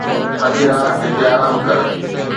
اڄ رات هتي آرام ڪر